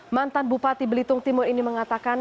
mantan bupati belitung timur ini mengatakan